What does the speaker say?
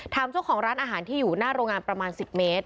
ถามเจ้าของร้านอาหารที่อยู่หน้าโรงงานประมาณ๑๐เมตร